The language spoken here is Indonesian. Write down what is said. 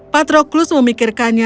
patroclus memikirkannya sepenuhnya